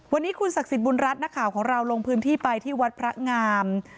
วันนี้คุณศักดิ์สิทธิบุญรัฐนักข่าวของเราลงพื้นที่ไปที่วัดพระงาม